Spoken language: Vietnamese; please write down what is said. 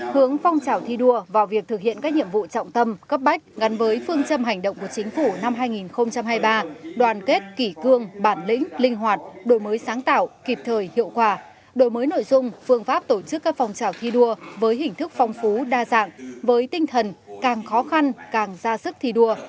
hướng phong trào thi đua vào việc thực hiện các nhiệm vụ trọng tâm cấp bách gắn với phương châm hành động của chính phủ năm hai nghìn hai mươi ba đoàn kết kỷ cương bản lĩnh linh hoạt đổi mới sáng tạo kịp thời hiệu quả đổi mới nội dung phương pháp tổ chức các phong trào thi đua với hình thức phong phú đa dạng với tinh thần càng khó khăn càng ra sức thi đua